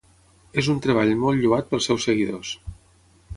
És un treball molt lloat pels seus seguidors.